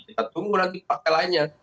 kita tunggu nanti partai lainnya